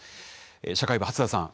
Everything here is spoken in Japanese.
社会部・初田さん